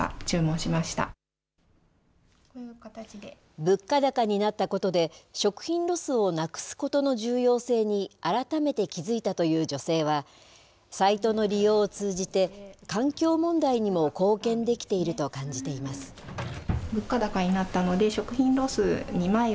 物価高になったことで、食品ロスをなくすことの重要性に改めて気付いたという女性は、サイトの利用を通じて、環境問題にも貢献できていると感じています。